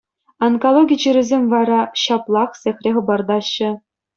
Онкологи чирӗсем вара ҫаплах сехре хӑпартаҫҫӗ.